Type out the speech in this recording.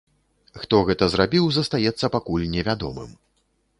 Хто гэта зрабіў, застаецца пакуль не вядомым.